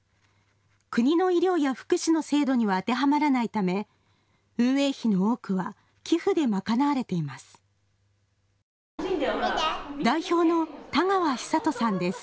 国の医療や福祉の制度には当てはまらないため、運営費の多くは寄付で賄われています。